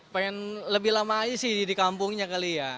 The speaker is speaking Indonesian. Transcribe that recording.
pengen lebih lama aja sih di kampungnya kali ya